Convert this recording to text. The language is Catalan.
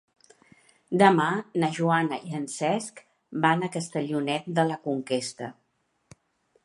Demà na Joana i en Cesc van a Castellonet de la Conquesta.